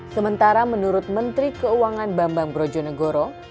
sementara menurut menteri keuangan bambang brojonegoro